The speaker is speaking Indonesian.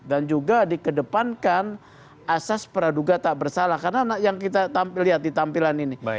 dan juga dikedepankan asas praduga tak bersalah karena yang kita lihat di tampilan ini